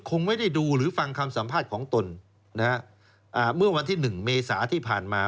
คงไม่ได้ดูหรือฟังคำสัมภาษณ์ของตนนะฮะอ่าเมื่อวันที่หนึ่งเมษาที่ผ่านมา